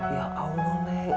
ya allah neng